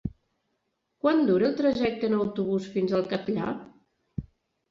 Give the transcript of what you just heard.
Quant dura el trajecte en autobús fins al Catllar?